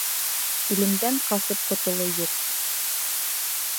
Үлемдән ҡасып ҡотолоу юҡ.